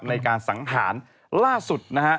ในการสังหารล่าสุดนะฮะ